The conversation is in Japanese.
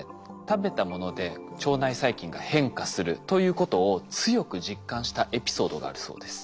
食べたもので腸内細菌が変化するということを強く実感したエピソードがあるそうです。